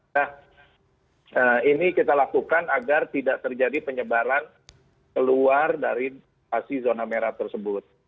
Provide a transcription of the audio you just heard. nah ini kita lakukan agar tidak terjadi penyebaran keluar dari zona merah tersebut